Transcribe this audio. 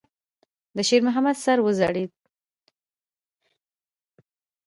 د شېرمحمد سر وځړېد.